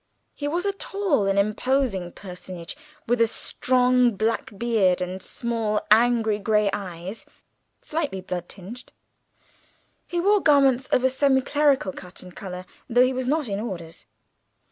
He was a tall and imposing personage, with a strong black beard and small angry grey eyes, slightly blood tinged; he wore garments of a semi clerical cut and colour, though he was not in orders.